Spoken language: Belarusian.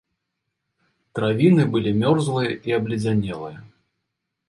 Травіны былі мёрзлыя і абледзянелыя.